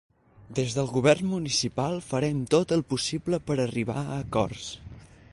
Des del govern municipal farem tot el possible per a arribar a acords.